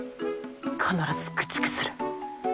必ず駆逐する。